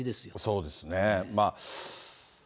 そうですね。